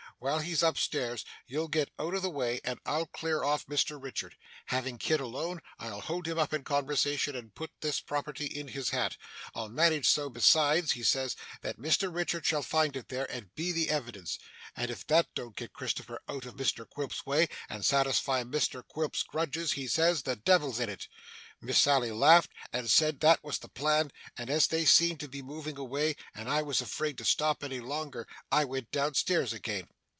While he's up stairs, you'll get out of the way, and I'll clear off Mr Richard. Having Kit alone, I'll hold him in conversation, and put this property in his hat. I'll manage so, besides," he says, "that Mr Richard shall find it there, and be the evidence. And if that don't get Christopher out of Mr Quilp's way, and satisfy Mr Quilp's grudges," he says, "the Devil's in it." Miss Sally laughed, and said that was the plan, and as they seemed to be moving away, and I was afraid to stop any longer, I went down stairs again.